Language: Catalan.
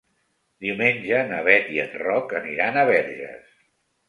Diumenge na Beth i en Roc aniran a Verges.